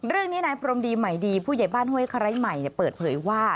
เรื่องนี้นายพรมดีใหม่ดีผู้ใหญ่บ้านห้วยไคร้ใหม่เปิดเผยว่า